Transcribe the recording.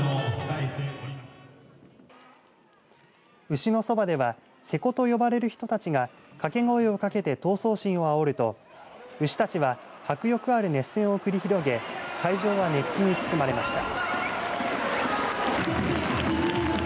牛のそばでは勢子と呼ばれる人たちが掛け声をかけて闘争心をあおると牛たちは迫力ある熱戦を繰り広げ会場は熱気に包まれました。